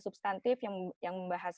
substantif yang membahas